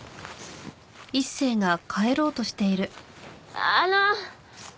あの！